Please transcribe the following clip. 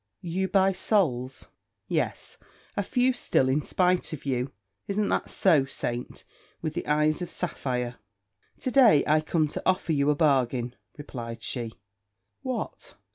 "You buy souls?" "Yes, a few still, in spite of you. Isn't that so, saint, with the eyes of sapphire?" "To day I am come to offer you a bargain," replied she. "What?"